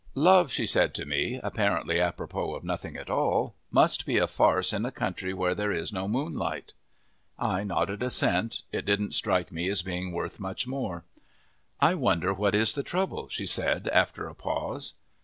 "Love," she said to me, apparently apropos of nothing at all, "must be a farce in a country where there is no moonlight." I nodded assent. It didn't strike me as being worth much more. "I wonder what is the trouble?" she said, after a pause.